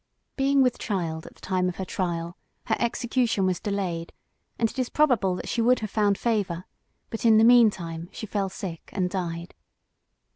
Being with child at the time of her trial, her execution was delayed; and it is probable that she would have found favor, but in the mean time she fell sick and died.